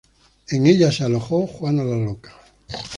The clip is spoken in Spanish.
En ella se alojó Juana la Loca.